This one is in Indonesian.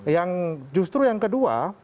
yang justru yang kedua